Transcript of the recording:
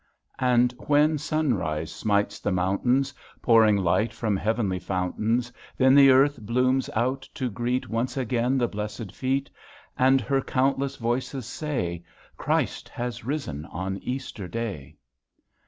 And when sunrise smites the mountains. Pouring light from heavenly fountains, Then the earth blooms out to greet Once again the blessed feet; And her countless voices say, Christ has risen on Easter Day.